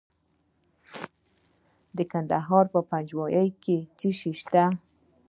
د کندهار په پنجوايي کې څه شی شته؟